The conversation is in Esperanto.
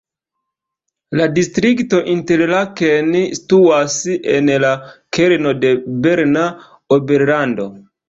La distrikto Interlaken situas en la kerno de Berna Oberlando.